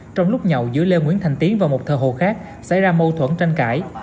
trong lúc nhậu giữa lê nguyễn thành tiến và một thờ hồ khác xảy ra mâu thuẫn tranh cãi